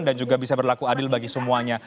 dan juga bisa berlaku adil bagi semua